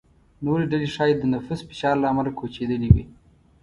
نورې ډلې ښايي د نفوس فشار له امله کوچېدلې وي.